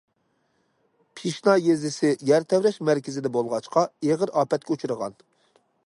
پىشنا يېزىسى يەر تەۋرەش مەركىزىدە بولغاچقا، ئېغىر ئاپەتكە ئۇچرىغان.